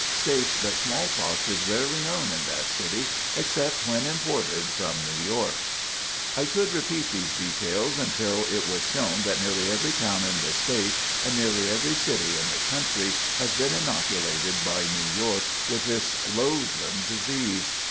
states that smallpox is rarely known in that city, except when imported from New York. [Sidenote: New York Inoculates the Nation] I could repeat these details until it was shown that nearly every town in the State, and nearly every city in the country, has been inoculated by New York with this most loathsome disease.